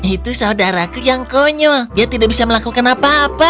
itu saudaraku yang konyol dia tidak bisa melakukan apa apa